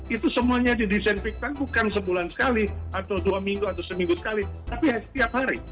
itu semuanya didesain piktang bukan sebulan sekali atau dua minggu atau seminggu sekali tapi setiap hari